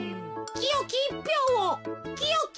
きよきいっぴょうを。